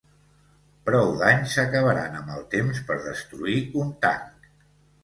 Prou danys acabaran amb el temps per destruir un tanc.